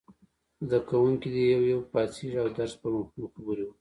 زده کوونکي دې یو یو پاڅېږي او د درس په مفهوم خبرې وکړي.